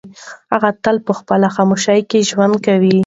هغه تل په خپلې خاموشۍ کې ژوند کوي.